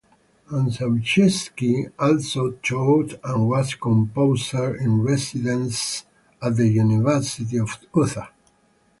Ussachevsky also taught and was composer-in-residence at the University of Utah.